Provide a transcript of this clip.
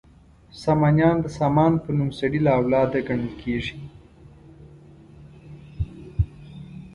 سامانیان د سامان په نوم سړي له اولاده ګڼل کیږي.